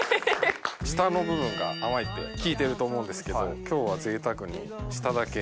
下の部分が甘いって聞いてると思うんですけど今日は贅沢に下だけ。